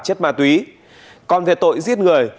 chất ma túy còn về tội giết người